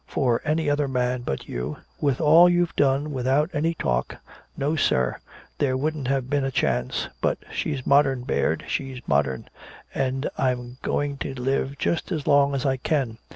For any other man but you with all you've done, without any talk no, sir, there wouldn't have been a chance. For she's modern, Baird, she's modern. And I'm going to live just as long as I can.